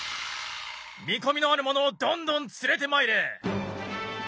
見込みのある者をどんどん連れてまいれ！